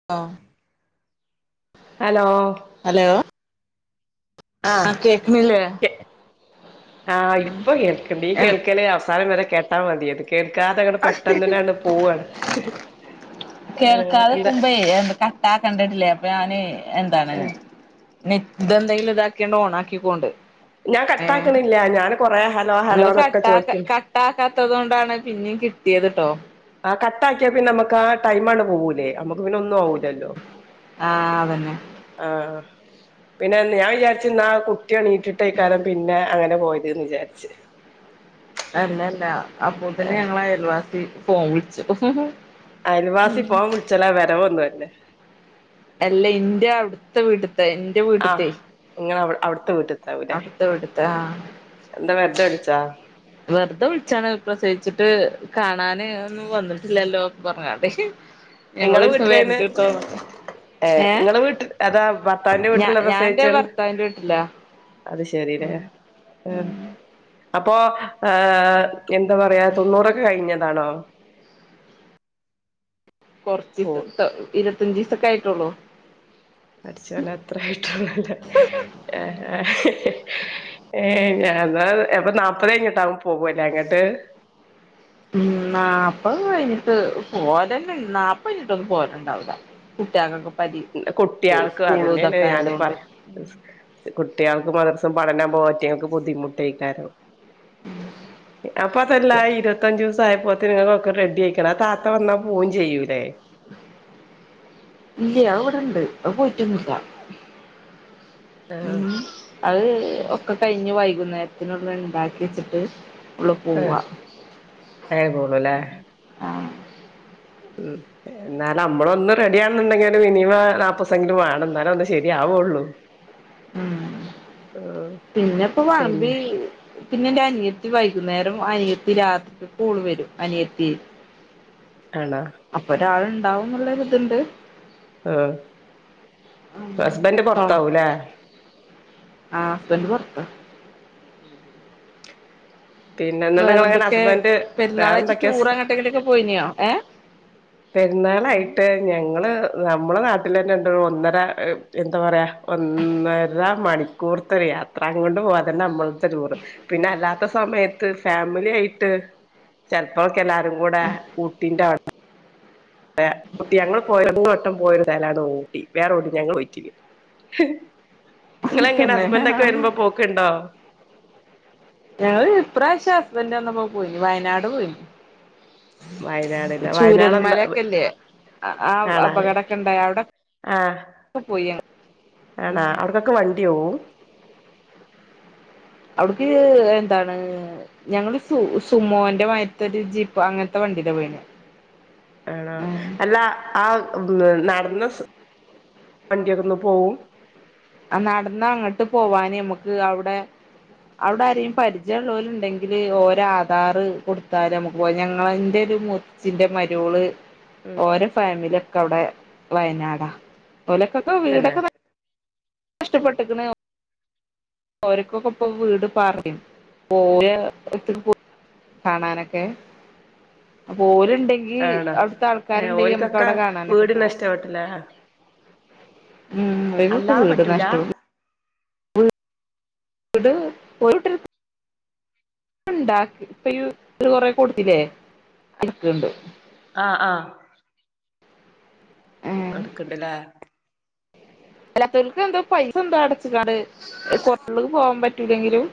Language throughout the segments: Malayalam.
ഓഹ് ഹലോ അലോ ആഹ് കേക്ക്‌ന്നില്ലെ ആഹ് ഇപ്പൊ കേൾക്ണ്ട് ഈ കേൾക്കൽ അവ്സാനം വരെ കേട്ടാ മതിയത് കേക്കാതെങ്ങട്ട് പെട്ടെന്നന്നെങ്ങട്ട് പോവാണ് ഏഹ് എന്താ കേൾക്കാതെകുമ്പേ എത് കാട്ടാ കണ്ടിട്ടില്ലേ അപ്പൊ ഞാന് എന്താണ് നെറ്റെന്തെങ്കിലും ഇതാക്കിങ്ങാണ്ട് ഓണാക്കിക്കൊണ്ട് ഞാൻ കട്ടാക്കണില്ല ഞാന് കൊറെ ഹലോ ഹലോ നിങ്ങള് ന്നൊക്കെ കട്ടാക്ക ചോയിക്കിന്ട് കട്ടാക്കാത്തത് കൊണ്ടാണ് പിന്നിം കിട്ടിയത്ട്ടോ ആഹ് കട്ടാക്കിയാ പിന്നെ നമുക്കാ ടൈമണ്ട് പോകൂലേ അമുക്ക് പിന്നെ ഒന്നും ആവൂല്ലല്ലോ ആഹ് അതന്നെ ആഹ് പിന്നെ ഞാൻ വിചാരിച്ചന്നാ കുട്ടിയണീറ്റിട്ടേയ്ക്കാരം പിന്നെ അങ്ങനെ പോയതെന്ന് വിചാരിച്ച് അല്ലല്ല അപ്പോത്തിന് ഏഹ് ഞങ്ങളെ അയൽവാസി ഫോൺ വിളിച്ചു അയൽവാസി ഫോൺ വിളിച്ചലാ വരവൊന്നും അല്ല അല്ലേ ഇൻ്റെ അവ്ടത്തെ വീട്ട്ത്തെ എന്റെ ആഹ് വീട്ട്ത്തെ ഇങ്ങളെ അവ അവിടുത്തെ വീട്ടിത്താവൂല്ലേ അവിടുത്തെ വീട്ട്ത്തെ ആഹ് എന്താ വെറുത വിളിച്ച വെറുതെ വിളിച്ചാണ് പ്രസവിച്ചിട്ട് കാണാന് ഒന്നും വന്നിട്ടില്ലല്ലോ പറഞ്ഞ്ങ്ങാണ്ട് [inaudible] നിങ്ങള് വീട്ടിലേണ് ഏഹ് ഏ നിങ്ങള് വീട്ടിൽ അതാ ഭർത്താവിന്റെ ഞാ വീട്ടിലുള്ള ഞാൻ എന്റെ പ്രസച്ചാണ് ഭർത്താവിന്റെ വീട്ടിലാ അത് ശരില്ലേ ഏഹ് അപ്പൊ ഏഹ് എന്താ പറയാ തൊണ്ണൂറൊക്കെ കഴിഞ്ഞതാണോ ഓ കൊറച്ചിസം ട്ടോ ഇരുത്തഞ്ച് ദിസൊക്കെ ആയിട്ടുള്ളൂ പടിചോന്നേ അത്രായിട്ടോള്ളല്ലോ ആഹ് ആഹ് ഏഹ് ഞാൻന്നാ അപ്പൊ നാപ്പത് കഴഞ്ഞിട്ടാവു പോവാല്ലേ അങ്ങട്ട് ഉം നാപ്പത് കഴിഞ്ഞിട്ട് പോകലന്നെ നാപ്പാഴിഞ്ഞിട്ടൊന്നും പോകലുണ്ടാവില്ല കുട്ട്യാകൊക്കു പിന്നെ കുട്ടിയാൾക്കു അതെന്നെണ് ഞാനും ആയതുകൊണ്ട് പറയ കുട്ടിയാൾക്ക് മദ്രർസും പഠനം പോറ്റങ്ങൾക്ക് ബുദ്ധിമുട്ടേയ്ക്കരം. അപ്പതല്ല ഇരുപത്തഞ്ചുസം ആയപ്പോ ത്തിന് ഒക്കെ റെഡി ആയ്ക്ക്ണ് ആ താത്ത വന്നാ പോവും ചെയ്യുലെ? ഇല്ലെയ് അഹ് ഇവിടെണ്ട് അഹ് പോയിട്ടൊന്നുല്ല. ആഹ് ഉം അത് ഒക്കെ കഴിഞ്ഞ് വൈകുന്നേരത്തിനുള്ള ഇണ്ടാക്കി വച്ചിട്ട് ആ അയാ കൂള്ളൂല്ലേ ആഹ് ഉം എന്നാലും നമ്മളൊന്ന് റെഡിയാണെന്നുണ്ടെങ്കില് മിനിമം നാല്പ്പസെങ്കിലും വേണം എന്നാലേ ഒന്ന് ശരിയാവുള്ളൂ ഉം ഉം പിന്നെപ്പെ വളമ്പി പിന്നെ പിന്നെ എന്റെ അനിയത്തി വൈകുന്നേരം അനിയത്തി രാത്രിക്ക് ഓള് വരും അനിയത്തി ആണോ? അപ്പം ഒരാള് ഇണ്ടാവുംന്ന്ള്ള ഒര്ത് ഇണ്ട് ആഹ് ഹസ്ബൻഡ് പൊറത്താവൂല്ലേ ആഹ് ഹസ്ബൻഡ് പൊറ... ഉം ഉം വെറൊന്തെക്കെ ഹസ്ബൻഡ് പെരുന്നാളായ്റ്റ് വേറെന്തൊക്കെയാ ടൂർ സ് എങ്ങട്ടെങ്കിലൊക്കെ പോയിനോ ഏഹ് പെരുന്നാളായിട്ട് ഞങ്ങള് നമ്മളെ നാട്ടിലെന്നെ ഉണ്ട് ഒന്നര.. എന്താ പറയാ ഒന്നര മണിക്കൂർത്തെ ഒരു യാത്ര അങ്ങട്ട് പോവാ അതന്നെ നമ്മളത്തെ ടൂറ് പിന്നെ അല്ലാത്ത സമയത്ത് ഫാമിലി ആയിട്ട് ചെലപ്പോള്ക്കെ എല്ലാരും കൂടെ ഊട്ടിന്റെ ഊട്ടി ഞങ്ങൾ പോയ മൂന്ന് വട്ടം പോയ സ്ഥലമാണ് ഊട്ടി വേറെ ഓടിം ഞങ്ങൾ പോയിട്ടില്ലെയ്നി നിങ്ങളെങ്ങനെ തന്നെ ഹസ്ബൻറ്ക്കെ വരുമ്പോ പോക്ണ്ടോ ഞങ്ങള് ഇപ്രാവശ്യം ഹസ്ബൻഡറ് വന്നപ്പോ പോയിന് വയനാട് പോയിന് വയനാട്ല്ലേ ചുരൽ വയനാട് എന്താ മലക്കെല്ലേ ആ ആണാ അപകടക്കണ്ടായ അവിടെക്കെ പോയി ഞ ആണോ അവിടെക്കെക്ക വണ്ടി പോവും അവിടക്ക് എന്താണ് ഞങ്ങള് സുമോന്റെ മാരിത്ത ഒരു ജീപ്പ് അങ്ങനത്തെ വണ്ടീല്ല പോയിനെ അല്ല ആ നടന്ന സു വണ്ടിയൊക്കെ ഒന്ന് പോവും ആ നടന്ന് അങ്ങട്ട് പോവാന് നമ്മക്ക് അവ്ടെ അവുടെ ആരെയും പരിചയം ഉള്ളോല് ഉണ്ടെങ്കില് ഓരോ ആധാർ കൊടുത്താലും [unintelligible] ഞങ്ങളെൻറെ ഒരു മുത്തച്ചിന്റെ മരേള് ഉം ഓരോ ഫാമിലി ഒക്കെ അവിടെ വയനാടാ ഓലൊക്കൊക്കെ തന്നെ വീടക്കെ നഷ്ടപ്പെട്ട്ക്ക്ണ് ഓര്ക്കൊക്കെ ഇപ്പൊ വീട് പറയും പോയ [unintelligible] കാണാനൊക്കെ അപ്പൊ ഒല് ഉണ്ടെങ്കി ഈ ആണോ അവിടുത്തെ ആൾക്കാര് ഏഹ് ഇണ്ടങ്കി നമ്മുക്ക് ഓൽക്കൊക്കെ അവിടെ കാണാനൊക്കെ വീട്ന്നെ പോവാ ഇഷ്ടപ്പെട്ടില്ലേ ഉം അവര്ക്കെക്കെ അല്ലാതെ വീട് പറ്റൂല നഷ്ടപ്പെ വീട് ഒരു കുട്ടര്ക്ക് ഉണ്ടാക്കി ഇപ്പ ഒരു കൊറ കൊടുത്തില്ലേ ഇട്ക്ക്ണ്ട് ആഹ് ആഹ് നടക്ക്ണ്ട്ല്ലേ അല്ലാത്തവർക്ക് എന്താ പൈസ എന്താ അടച്ച കാണ്ട് [unintelligible] പോവാൻ പറ്റൂലെങ്കിലും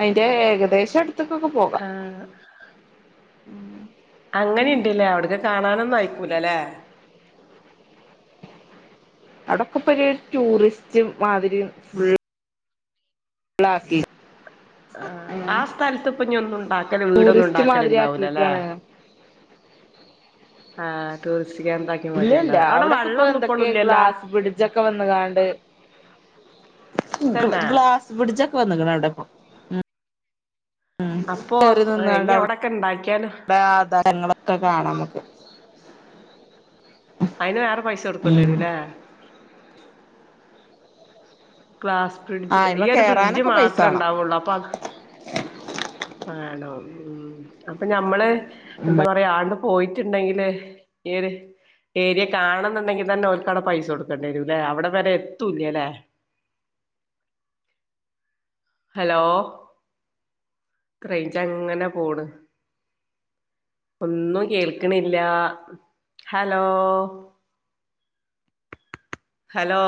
അയിന്റെ ഏകദേശം അടുത്ക്കൊക്കെ പോകാ ആഹ് അങ്ങനി ഇണ്ട്ല്ലേ അവ്ടക്ക് കാണാനൊന്നും അയിക്കൂലല്ലെ അവിടൊക്കെപ്പൊരു ടൂറിസ്റ്റ് മാതിരിയും ഉ ള്ളാക്കി ആഹ് ആ സ്ഥലത്ത് ഇപ്പഞൊന്നും ഇണ്ടാക്കല് വീടൊന്നും ടൂറിസ്റ്റ് മാതിരി ഇണ്ടാക്കലണ്ടാവൂലല്ലേ? ആക്കിക്കാണ് ആഹ് ടൂറിസ്റ്റ് കേന്ദ്രാക്കി ഇല്ലല്ല മാറ്റിണ്ടാവ അവിടെ അവിടൊക്കെ ഇപ്പോ വെള്ളൊന്നും ഇപ്പളും എന്തൊക്കെയ ഇല്ലല്ലോ ഗ്ലാസ് ബ്രിഡ്ജൊക്കെ വന്ന്കാണ്ട് തന്നെ ഗ്ലാസ് ബ്രിഡ്ച്ചൊക്കെ വന്ന്ക്ക്ണ് അവിടെപ്പ ഉം അപ്പൊ കേറി നിന്നാണ്ട് ഇനി അവിടെ അവിടൊക്കെ ഇണ്ടാക്കിയാല് [unintelligible] ഒക്കെ കാണ അമ്മക്ക് അയ്ന് വേറെ പൈസ കൊടുക്കണ്ട്യരുലെ? ഗ്ലാസ്‌ ആഹ് ബ്രിഡ്ജ് ഈ അയ്മെ ഒരു ബ്രിഡ്ജ് കേറാനൊക്കെ പൈസ മാത്രം ഇണ്ടാവൊള്ളൂ അപ്പൊ മാണം ഉംഹ് അപ്പൊ ഞമ്മള് വാണം എന്താ പറയാ ആണ്ട് പോയിട്ട് ഇണ്ടങ്കില് ഈ ഒര് ഏരിയ കാണണംന്നുണ്ടങ്കി തന്നെ ഓര്ക്ക് പൈസ കൊടുക്കണ്ട്യരുംല്ലേ അവിടെ വരെ എത്തുല്ല്യല്ലേ? ഹലോ ടക്ക് റേഞ്ച് അങ്ങനെ പോണ് ഒന്നും കേൾക്കിണില്ലാ ഹലോ ഹലോ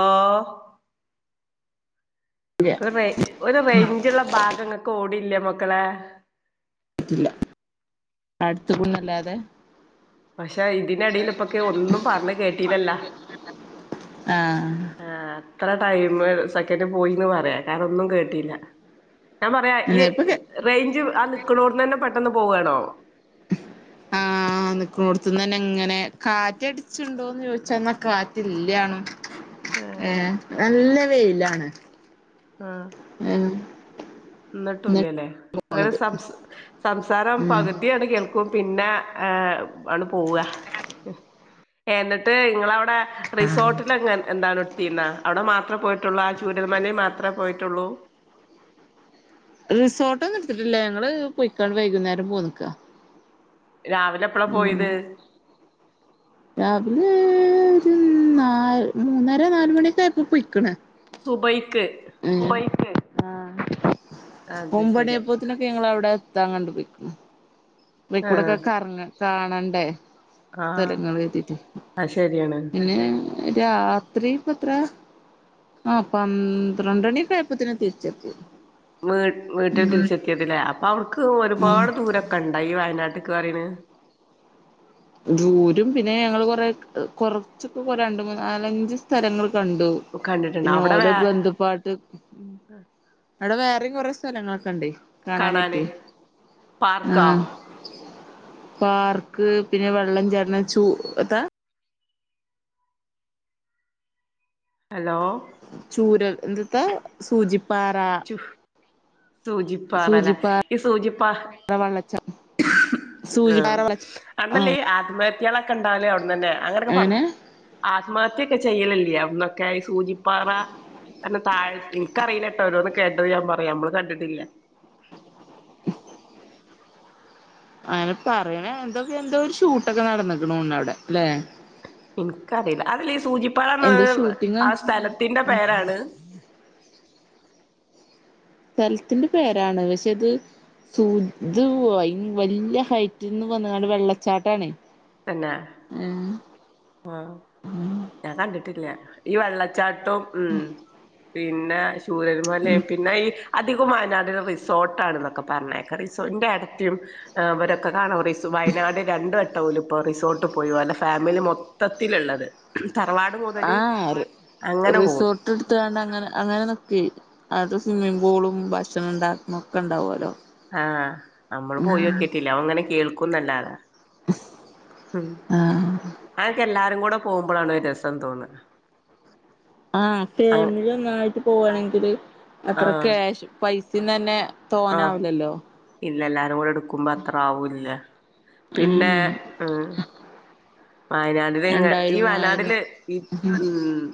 ഇല്ല ഒര് ഒരു റെയ്ഞ്ച്ള്ള ഭാഗം ഇങ്ങക്ക് ഓവ്ടില്ല മക്കളെ ഇല്ല അട്ത്ത്ക്കൊന്നു അല്ലാതെ പക്ഷെ ഇതിന്റെ എടീലിപ്പൊ ഒക്കെ ഒന്നും പറഞ്ഞെ കേട്ടില്ലല്ല ആഹ് ആഹ് ഇത്ര ടൈമ്. സെക്കൻഡ് പോയിന്ന് പറയാ കാരണൊന്നും കേട്ടില്ല ഞാൻ പറയാ ഇനി ഈ ഇപ്പൊ കെ- റെയ്ഞ്ച് ആ നിക്കുണോട്ത്ത് തന്നേ പെട്ടെന്ന് പോവാണോ? ആഹ് ആഹ് നിക്കുണോട്ത്ത്ന്ന് തന്നെ ഇങ്ങനെ കാറ്റ് അടിച്ചുണ്ടോന്ന് ചോയ്ച്ചാ ഇന്നാ കാറ്റ് ഇല്ല്യാണും ആ ഏഹ് നല്ല വെയ്ലാണ് ആഹ് എഹ് ഇന്നെട്ടു ഇല്ല്യലെ ഒരു പോണത് സം സംസാരം ഉം. പകുതിയാണ് കേൾ ക്കും പിന്നെ ആഹ് ആണ്ട് പോവാ എന്നിട്ട് ഇങ്ങളവ്ടെ റിസോർട്ടിലങ്ങൻ എന്താണ് ഇട്ടീന്നോ? അവ്ടെ മാത്രം പോയിട്ടൊള്ളു ആ ചൂരൽ മലെ മാത്രേ പോയിട്ടൊള്ളൂ റിസോർട്ടൊന്നും ഇട്ത്തിട്ടില്ല ഞങ്ങള് പോയ്ക്കാണ്ട് വൈകുന്നേരം പോന്ന്ക്ക രാവിലെ എപ്പെള പോയിത്? രാവിലെ ഒരു നാല് മൂന്നര നാലുമണിയൊക്കെ ആയപ്പോ പൊയ്ക്ക്‌ണ്. സുബയ്ക്ക് ഉം ആഹ് അത് ഒമ്പണി ശരി ആയപ്പോത്തിനൊ ക്കെ ഞങ്ങളവിടെ എത്താൻ കണ്ടു പോയ്ക്ക്ണു‌ അത് ആഹ് കുടൊക്കെ കറങ്ങ കാണണ്ടേ? ആഹ് സ്ഥലങ്ങള് കര്തിട്ടെ അത് ശരിയാണ് പിന്നെ രാത്രി ഇപ്പത്ര ആഹ് പന്ത്രണ്ടണിയെക്കെ ആയപ്പോത്തിന് തിരിച്ചെത്തിണ് വീ വീട്ടിൽ തിരിച്ചെത്തിയത് ല്ലേ? അപ്പൊ അവ്ട്ക്ക് ഉം ഒരുപാട് ദൂരൊക്കെണ്ടാ ഈ വയനാട്ട്ക്ക് പറയിണെ? ദൂരും പിന്നെ ഞങ്ങള് കൊറെ കൊറച്ചൊക്കെ രണ്ട് മൂന്നാലഞ്ച് സ്ഥലങ്ങൾ കണ്ടു കണ്ടിട്ടുണ്ട് പിന്നെ അവിടെ വേ ഓലെ ബന്ധു പാട്ട് അവ്ടെ വേറിം കൊറേ സ്ഥലങ്ങളൊക്കെ ഇണ്ടേയ് കാണാൻ കാണാന് പറ്റിയെ പാർക്കോ ആഹ് പാർക്ക് പിന്നെ വെള്ളം ചാട്ണ ചൂ എത്താ- ഹലോ ചൂരൽ എന്ത്ത്ത സൂചിപ്പാറ സൂചിപ്പാറലെ സൂചിപ്പാറ ഈ സൂചിപ്പാ വെള്ളച്ചാട്ടം [unintelligible] അവട്ന്നല്ലേ ആഹ് ഈ ആത്മഹത്യാളൊക്കെ ഉണ്ടാവല് അവുടുന്നന്നെ അങ്ങനൊക്കെ പറഞ്ഞു അങ്ങനെ ആത്മഹത്യൊക്കെ ചെയ്യലില്ലെ അവിടുന്നൊക്കെ സൂചിപ്പാറ പിന്നെ താഴ് ഇൻക്കറിയില്ല ഓരോന്ന് കേട്ടത് ഞാ പറയ നമ്മള് കണ്ട്ട്ടില്ല അങ്ങനെ പറയണ എന്തൊക്കെ എന്തോ ഒരു ഷൂട്ടൊക്കെ നടന്ന്ക്കുണോണ് അവിടെ അല്ലെ ഇൻക്ക് അറിയില്ല അതില് ഈ സൂചിപ്പാറാന്ന് എന്തോ ഷൂട്ടിങ് ആഹ് സ്ഥലത്തിന്റെ പേരാണ് സ്ഥലത്തിന്റെ പേരാണ് പക്ഷെ ഇത് [unintelligible] വല്ല്യേ ഹൈറ്റ്ന്ന് വന്ന്ങ്ങാണ്ട് വെള്ളച്ചാട്ടാണെ തന്നെ [unintelligible] ആഹ് ഞാൻ കണ്ടിട്ടില്ല ഈ വെള്ളച്ചാട്ടവും ഉ പിന്നെ ചൂരൽമലയും പിന്നെ ഈ അധികം വയനാട്ടില റിസോർട്ട ആണൊക്കെ പറഞ്ഞേക്ക റിസോർ ന്റെ ഏട്ടത്തി അവരൊക്കെ കാണാം വയനാട് രണ്ടും വട്ടം ഓല്ഇപ്പോ റിസോർട്ട് പോയോ ഓലഫാമിലി മൊത്തം മൊത്തത്തിലുള്ളത് തറവാട് മുതൽ അങ്ങനെ പോകും റീസോട്ട് ഇടുത്തണ്ടാണ്ട് അങ്ങനെ നിക്കെ അത് സിമ്മിംഗ്പൂളും ഭക്ഷണം ഉണ്ടാക്കും ഒക്കെ ഉണ്ടാവുല്ലോ ആഹ് നമ്മള് പോയോക്കിട്ടില്ല അങ്ങനെ കേൾക്കുംന്നല്ലാതാ ഉം ആഹ് അതെക്കെഎല്ലാരും കൂടെ പോകുമ്പോഴാണ് രസം തോന്നാ ആഹ് ഫേമിലി ഒന്നായിട്ട് പോകയാണെങ്കില് അത്ര ആഹ് ക്യാഷ് പൈസ തന്നെ തോനാവുലല്ലോ പിന്നെ എല്ലാരും കൂടെ എടുക്കുമ്പോ അത്ര ആവൂല്ല പിന്നെ ഉം ഉം വയനാടില്ങ്ങ ഈ രണ്ടായിരം മൂവായിരം വയനാടില് ഈ ഉം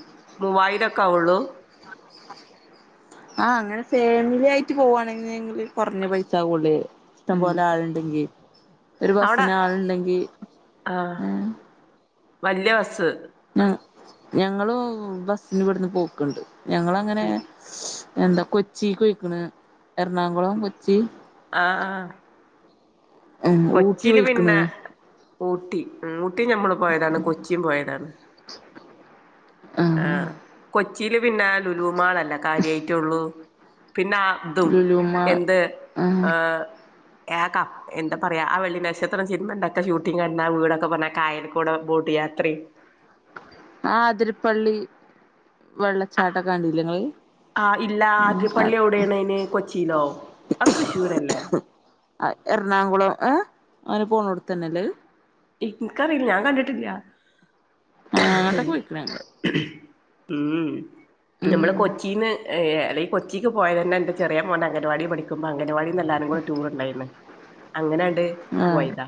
മൂവായിരക്കാവു ള്ളൂ [inaudible] ആഹ് അങ്ങനെ ഫാമിലി ആയിട്ട് പോവാണെങ്കിൽ കുറഞ്ഞ പൈസ ആകൂള്ളു ഇഷ്ടം ഉം പോലെ ആളുണ്ടെങ്കിൽ ഒരു അവിടെ ബസ്സിന് ആളുണ്ടെങ്കിൽ ആഹ് വലിയ ബസ്സ് ആഹ് ഞങ്ങള് ബസിന് ഇവിടുന്ന് പോക്ക്ണ്ട് ഞങ്ങള അങ്ങനെ എന്താ കൊച്ചിക്ക് പോയിക്കണ് എറണാകുളം കൊച്ചി ആഹ് ആഹ് ഊട്ടി കൊച്ചിയില് പോയിക്കണ് പിന്നെ ഊട്ടി ഊട്ടിയും ഞമ്മള് പോയതാണ് കൊച്ചിം പോയതാണ് ആ ആഹ് കൊച്ചിയില് പിന്നെ ലുലുമാളല്ല കാര്യായിട്ടള്ളൂ പിന്നെ തും ലുലുമ എന്ത് ആ ആഹ് ഏക എന്താ പറയാ ആഹ് വെള്ളി നക്ഷത്രം സിനിമക്കെ ഷൂട്ടിംഗ് കണ്ടാ വീടൊക്കെ പറഞ്ഞാ കായൽക്കൂട് ബോട്ട് യാത്ര ആഹ് അതിരപ്പള്ളി വെള്ളച്ചാട്ടൊക്കെ കണ്ടില്ലേ ങ്ങള് ആഹ് ഇല്ല ആതിരപ്പള്ളി എവിടെയാണ് അത്കൊച്ചിയിലോ അ തൃശ്ശൂരല്ലേ ആഹ് എറണാകുളം ഏ അങ്ങനെ പോണ ടുത്തന്നെ അല്ലേ അത് ഇനിക്കറിയില്ല ഞാൻ കണ്ടിട്ടില്ല ആങ്ങട്ടൊക്കെ പോയിക്കണ് ഞങ്ങള് ഉം നമ്മള് ഉം കൊച്ചിന്ന് അല്ലെ കൊച്ചിക്ക് പോയതന്നെ എൻ്റെ ചെറിയ മോൻ്റെ അംഗനവാടി പഠിക്കുമ്പോ അംഗനവാടിന്ന്ല്ലാരും കൂടി ടൂർണ്ടായിന്ന് അങ്ങനാണ്ട് ആഹ് പോയ്താ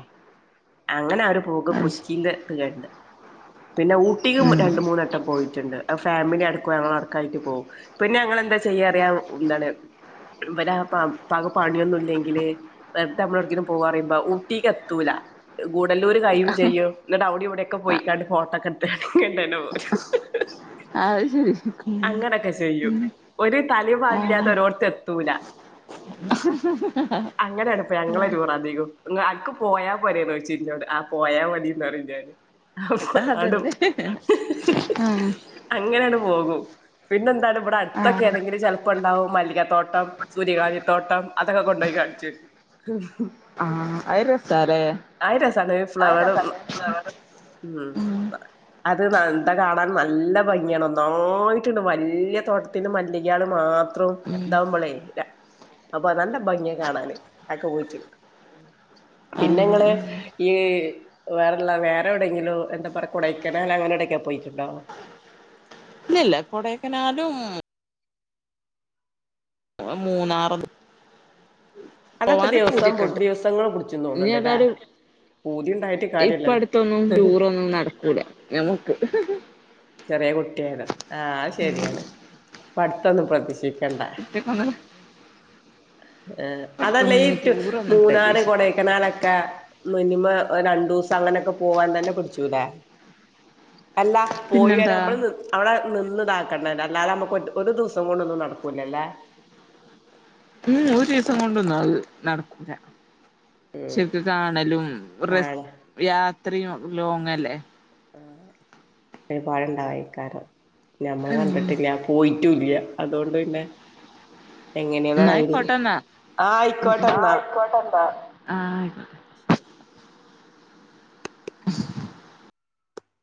അങ്ങനാണ്ട് പോക് അത് ശരി കൊച്ചിൻ്റെ ത് കണ്ട് പിന്നെ ഊട്ടികും ഉം രണ്ട് മൂന്നട്ടം പോയിട്ട്ണ്ട് ഫാമിലി അടക്കും ഞങ്ങളടക്കായ്ട്ട് പോവും പിന്നെ ഞങ്ങെളെന്താ ചെയ്യാറിയാ ന്താണ് ഇബലാപാ പ്പാക്ക് പണിയൊന്നുല്ലെങ്കില് വെർതെ അമ്മളൊവ്ട്ക്കേലും പോവാ പറയ്മ്പം ഊട്ടീക്കെത്തൂല ഗൂഡല്ലൂര് കയ്യും ചെയ്യും ന്നെട്ട് അവ്‌ടിം ഇവെട്യൊക്കെ പോയ്ക്കാണ്ട് ഫോട്ടാെക്കെട്ത്ത് ഇങ്ങെട്ടെന്നെ പോരും അത് ശരി അങ്ങനൊക്കെ ചെയ്യും ഒര് തലിം വാലുല്ലാതെരോട്ത്ത് എത്തൂലാ അങ്ങെനേണ്പ്പ ഞങ്ങളെ ടൂറധികും ങ്ങ അൻക്ക് പോയാ പോരോന്നോയ്ച്ചും ഇഞ്ഞോട് ആഹ് പോയാ മതീന്ന് പറയും ഞാന് അപ്പൊ ആണ്ട് അതന്നെ ആഹ് അങ്ങനേണ്ട് പോകും പിന്നെന്താണ് വെടെ അട്ത്തൊക്കെ ഏതെങ്കിലും ചെൽ പ്പണ്ടാവും മല്ലിക താേട്ടം സൂര്യകാന്തി തോട്ടം അതൊക്കെ കൊണ്ടാേയ് കാൺച്ചെരും ആഹ് അത് രെസാലേ അത് രെസാണ് ഈ ഫ്ലെവറും ഊം അത് നന്താ കാണാൻ നല്ല ഭംഗ്യാണ് ഒന്നായ്ട്ട്ണ്ട് വല്ല്യ തോട്ടത്ത്ന് മല്ലി ക്‌യാന്ന് മാത്രം ഉം അതന്നെ ഇതാവുമ്പളേ അപ്പ നല്ല ഭംഗ്യാ കാണാന് അയ്ക്ക് പോയ്റ്റ് പിന്നെങ്ങെള് ഉം ഇയ്യ് വേറെല്ല വേറെവ്ടെങ്കിലും എന്താ പറയാ കൊടെയ്ക്കനാൽ അങ്ങെനെ എവിടെക്കാ പോയ്റ്റ്ണ്ടാേ ഇല്ലല്ലാ കൊടേക്കനാലും [unintelligible] മൂന്നാറ് അതൊക്കെ പോവാനാെക് ദിവസം പൂത്യാെക്കെണ്ട് ദിവസങ്ങൾ പിടിച്ചുന്ന് തോന്നുന്നുണ്ടല്ലേ ഇഞ്ഞേതാലും പൂതി ഉണ്ടായിട്ട് ഇപ്പ കാര്യല്ലല്ലോ അട്ത്തൊന്നും ടൂറൊന്നും നടക്കൂലാ ഞമ്ക്ക് ചെറ്യേ കുട്ട്യാണ് ആഹ് അത് ശെര്യാണ് പ്പ അട്ത്തൊന്നും പ്രതിഷി ക്കണ്ടാ ഒറ്റക്കൊന്നും ഏഹ് അതല്ല ഇപ്പടുത്തൊന്നും ഈ ഇനി ട് ടൂറൊന്നും മൂന്നാറ് പ്രതീക്ഷിക്കാം കൊടേക്കെനാലക്കേ മിനിമം ഒരണ്ടൂസം അങ്ങനൊക്കെ പോവാൻ തന്നെ പിട്ച്ചൂലേ അല്ലാ പോയ് പിന്നെന്താ വെരാം മ്മള് ന് അവടെ നിന്ന് താക്കണ്ടെര് അല്ലാതെ അമ്മക്ക് ഒര് ഒരു ദിവ്സം കൊണ്ടൊന്നും നടക്കൂലലേ ഊം ഉം ഒരീസം കൊണ്ടാെന്നും അത് നടക്കൂലാ ഉം ശെര്ക് കാണലും റിസ് കാണാ യാത്രിയും ലോങ്ങല്ലേ ആഹ് പഴണ്ടാവെയ്ക്കാരം ഞമ്മള് എന്നാ കണ്ട്ട്ടില്ല്യാ പോയിറ്റൂല്ല്യ അതോണ്ട് പിന്നെ എങ്ങെനേന്നാെരയ്ഡില് ആയിക്കോട്ടെന്നാ ആഹ് അയ്ക്കോട്ടെന്നാ ആയിക്കോട്ടെ ആഹ് ആയിക്കോട്ടെ ശരി [unintelligible]